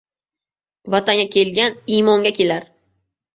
Vatanga kelgan — imonga kelar.